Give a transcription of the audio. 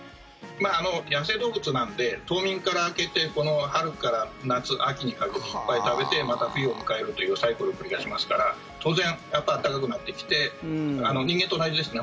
野生動物なんで冬眠から明けて春から夏、秋にかけていっぱい食べてまた冬を迎えるというサイクルを繰り返しますから当然、暖かくなってきて人間と同じですね